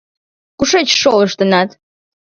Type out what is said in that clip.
Кушеч шолыштынат?